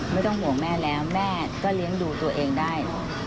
ไม่ต้องห่วงแม่แล้วแม่ก็เลี้ยงดูตัวเองได้